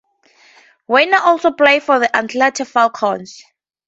Weiner also played for the Atlanta Falcons.